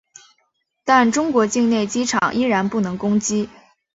但中国境内机场依然不能攻击。